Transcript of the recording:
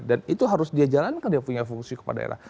dan itu harus dia jalankan dia punya fungsi kepala daerah